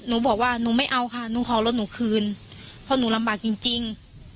หนูบอกว่าหนูไม่เอาค่ะหนูขอรถหนูคืนเพราะหนูลำบากจริง